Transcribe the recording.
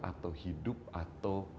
atau hidup atau